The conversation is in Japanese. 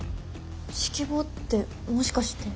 指揮棒ってもしかして。